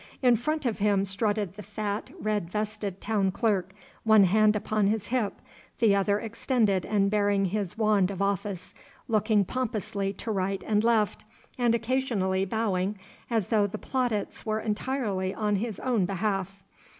In front of him strutted the fat red vested town clerk, one hand upon his hip, the other extended and bearing his wand of office, looking pompously to right and left, and occasionally bowing as though the plaudits were entirely on his own behalf.